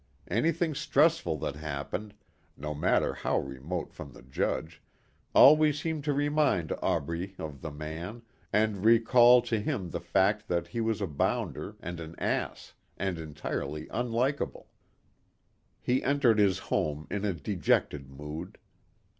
Anything distressful that happened, no matter how remote from the judge, always seemed to remind Aubrey of the man and recall to him the fact that he was a bounder and an ass and entirely unlikeable. He entered his home in a dejected mood.